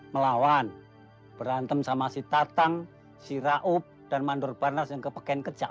melawan berantem sama si tatang si raup dan mandor barnas yang kepeken kejam